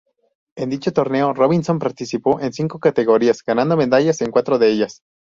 En dicho torneo Robinson participó en cinco categorías, ganando medallas en cuatro de ellas.